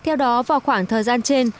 theo đó vào khoảng thời gian trên